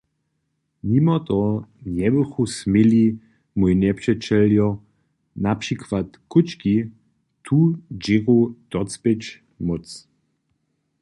Nimo toho njebychu směli moji njepřećeljo, na přikład kóčki, tu dźěru docpěć móc.